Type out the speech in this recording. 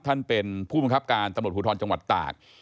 ท่านเป็นผู้บังคับการตำรวจภูทรจังหวัดตาก